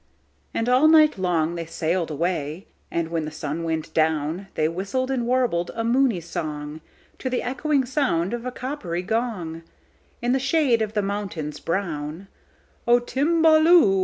And all night long they sail'd away; And, when the sun went down, They whistled and warbled a moony songTo the echoing sound of a coppery gong, In the shade of the mountains brown,"O Timballoo!